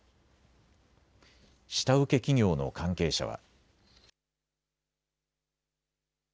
下請け企業の関係者は。